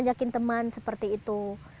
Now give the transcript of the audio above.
ngajakin teman seperti itu